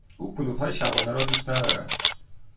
او کلوپ های شبانه را دوست ندارد.